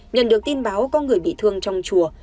nhận được tin báo có người bị thương trong chùa